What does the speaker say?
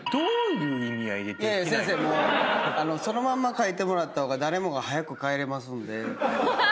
もうそのまんま書いてもらった方が誰もが早く帰れますんで。